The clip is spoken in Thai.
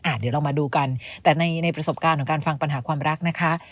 เดี๋ยวเรามาดูกันแต่ในประสบการณ์ของการฟังปัญหาความรักนะคะ